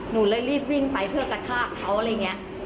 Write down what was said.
หนูเลยรีบวิ่งไปเพื่อกระชากเขาอะไรอย่างนี้